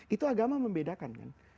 itu agama membedakan